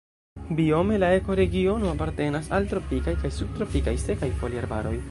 Biome la ekoregiono apartenas al tropikaj kaj subtropikaj sekaj foliarbaroj.